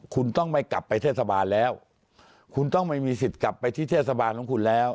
คุณต้องไม่กลับไปเทศบาลแล้วคุณต้องไม่มีสิทธิ์กลับไปที่เทศบาลของคุณแล้ว